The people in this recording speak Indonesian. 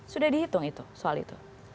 sudah dihitung soal itu